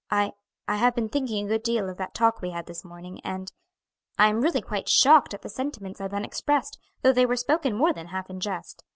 I I have been thinking a good deal of that talk we had this morning, and I am really quite shocked at the sentiments I then expressed, though they were spoken more than half in jest.